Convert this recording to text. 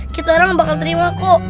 kita orang bakal terima kok